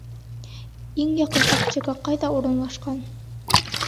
Иң яҡын аптека ҡайҙа урынлашҡан?